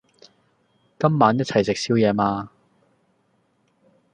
今晚一齊食宵夜嗎？